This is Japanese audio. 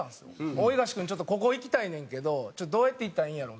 「大東君ちょっとここ行きたいねんけどどうやって行ったらいいんやろう？」